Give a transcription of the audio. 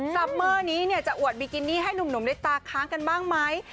ซัมเมอร์นี้เนี่ยจะอวดบิกินี่ให้หนุ่มได้ตาค้างกันบ้างมั้ย